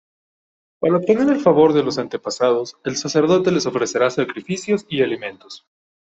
Para obtener el favor de los antepasados, el sacerdote les ofrecerá sacrificios y alimentos.